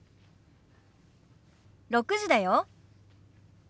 ６時だよ。